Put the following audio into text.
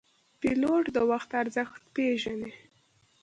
پیلوټ د وخت ارزښت پېژني.